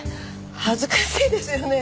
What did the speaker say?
恥ずかしいですよね。